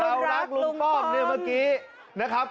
ราวรักลุงป้อมแบบเมื่อกี้นะครับ